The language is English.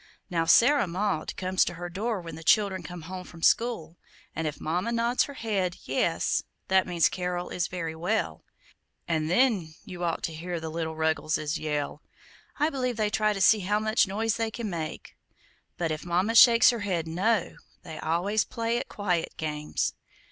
Now, Sarah Maud comes to her door when the children come home from school, and if Mama nods her head, 'Yes,' that means 'Carol is very well,' and then you ought to hear the little Ruggleses yell I believe they try to see how much noise they can make; but if Mama shakes her head, 'No,' they always play at quiet games.